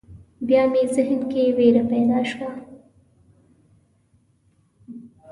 بیا مې ذهن کې وېره پیدا شوه.